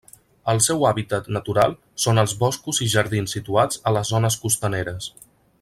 El seu hàbitat natural són els boscos i jardins situats a les zones costaneres.